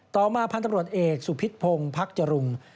ต่อมาพันธุ์ตำรวจเอกสุพิษพงศ์พักจรุง